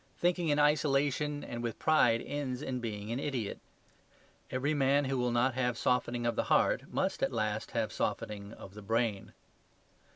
Thinking in isolation and with pride ends in being an idiot. Every man who will not have softening of the heart must at last have softening of the brain.